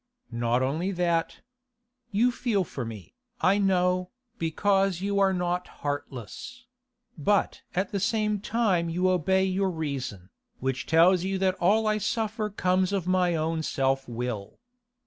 'Not only that. You feel for me, I know, because you are not heartless; but at the same time you obey your reason, which tells you that all I suffer comes of my own self will.